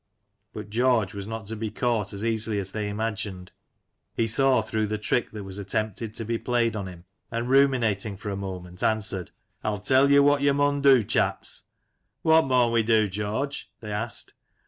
But George was not to be caught as easily as the3r imagined — he saw through the trick that was attempted to be played on him, and ruminating for a moment, answered ^" 1*11 tell yo what yo maun do, chaps." " What maun we do^ George?" they asked.